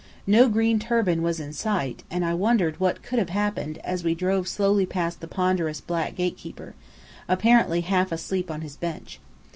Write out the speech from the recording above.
No green turban was in sight, and I wondered what could have happened, as we drove slowly past the ponderous black gate keeper, apparently half asleep on his bench.